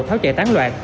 tháo chạy tán loạn